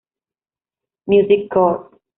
Music Core".